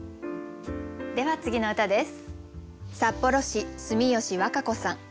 では次の歌です。